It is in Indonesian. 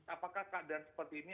apakah keadaan seperti ini